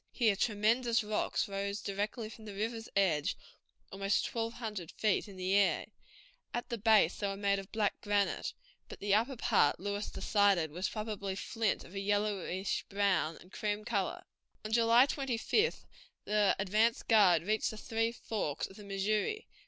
Here tremendous rocks rose directly from the river's edge almost twelve hundred feet in the air; at the base they were made of black granite, but the upper part Lewis decided was probably flint of a yellowish brown and cream color. On July 25th the advance guard reached the three forks of the Missouri.